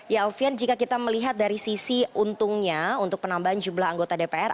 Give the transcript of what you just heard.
ya alfian jika kita melihat dari sisi untungnya untuk penambahan jumlah anggota dpr